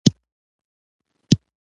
کابل نه قندهار پورې څو ساعته لار ده؟